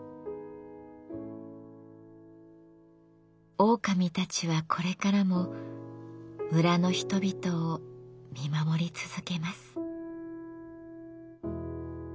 オオカミたちはこれからも村の人々を見守り続けます。